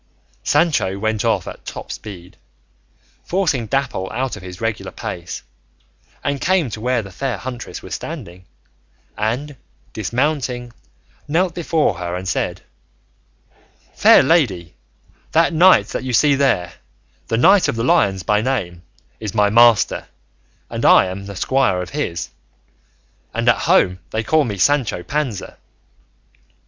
Sancho went off at top speed, forcing Dapple out of his regular pace, and came to where the fair huntress was standing, and dismounting knelt before her and said, "Fair lady, that knight that you see there, the Knight of the Lions by name, is my master, and I am a squire of his, and at home they call me Sancho Panza.